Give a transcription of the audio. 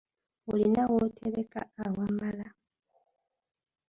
Olina w'otereka awamala?